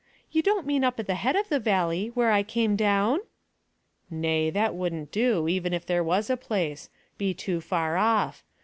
"You don't mean up at the head of the valley, where I came down?" "Nay! That wouldn't do, even if there was a place. Be too far off.